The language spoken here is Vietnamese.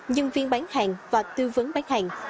nhân viên bán hàng và tư vấn bán hàng